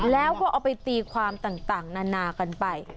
แล้วก็เอาไปตีความต่างนานากันไป